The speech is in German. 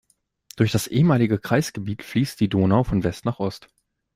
Durch das ehemalige Kreisgebiet fließt die Donau von West nach Ost.